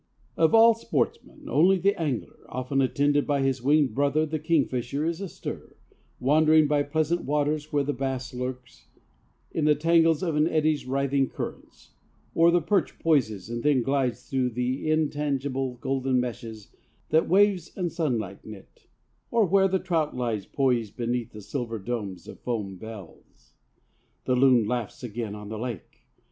Of all sportsmen only the angler, often attended by his winged brother the kingfisher, is astir, wandering by pleasant waters where the bass lurks in the tangles of an eddy's writhing currents, or the perch poises and then glides through the intangible golden meshes that waves and sunlight knit, or where the trout lies poised beneath the silver domes of foam bells. The loon laughs again on the lake.